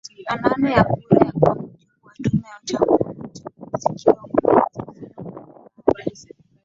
na nane ya kura kwa mujibu wa tume ya uchaguziKiongozi huyo punde baada